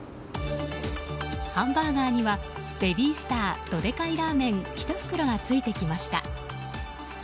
ハンバーガーにはベビースタードデカイラーメン１袋がついてきました。